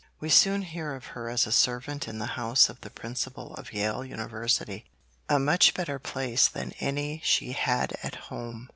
We soon hear of her as a servant in the house of the Principal of Yale University, a much better place than any she had at home.